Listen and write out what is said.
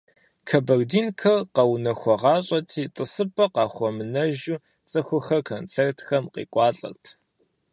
«Кабардинкэр» къэунэхуагъащӀэти, тӀысыпӀэ къахуэмынэжу цӀыхухэр концертхэм къекӀуалӀэрт.